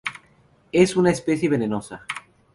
Es una especie venenosa.